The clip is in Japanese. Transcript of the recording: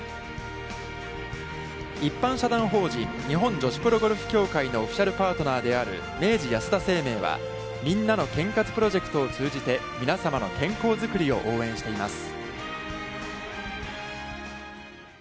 一般社団法人日本女子プロゴルフ協会のオフィシャルパートナーである明治安田生命は「みんなの健活プロジェクト」を通じて皆様の健康づくりを応援しています。